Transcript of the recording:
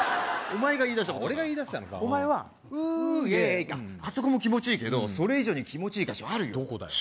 お前が言いだした俺が言いだしたのかお前は「ＷｏｏＹｅａｈ」かあそこも気持ちいいけどそれ以上に気持ちいい箇所あるよどこだよ？